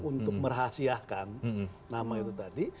untuk merahasiakan nama itu tadi